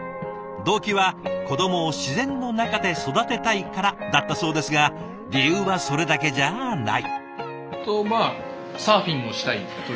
動機は子どもを自然の中で育てたいからだったそうですが理由はそれだけじゃない。